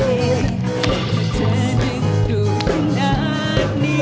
ฮัทเธอนึงดูขนาดนี่